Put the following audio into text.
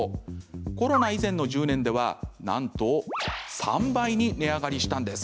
コロナ以前の１０年ではなんと３倍に値上がりしたんです。